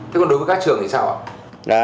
thế còn đối với các trường thì sao ạ